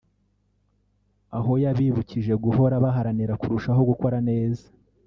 aho yabibukije guhora baharanira kurushaho gukora neza